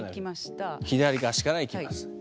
左足から行きます。